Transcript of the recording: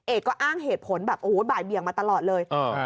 เอกก็อ้างเหตุผลแบบโอ้โหบ่ายเบียงมาตลอดเลย